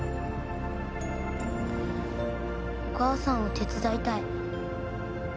お母さんを手伝いたい。